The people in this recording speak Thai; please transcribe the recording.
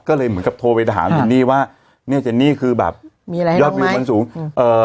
ก็เลยเหมือนกับโทรไปถามเจนนี่ว่าเนี่ยเจนนี่คือแบบมีแล้วยอดวิวมันสูงอืมเอ่อ